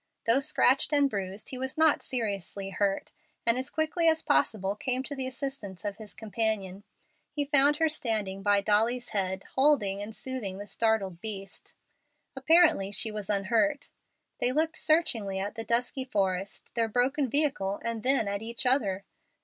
Though scratched and bruised, he was not seriously hurt, and as quickly as possible came to the assistance of his companion. He found her standing by Dolly's head, holding and soothing the startled beast. Apparently she was unhurt. They looked searchingly at the dusky forest, their broken vehicle, and then at each other.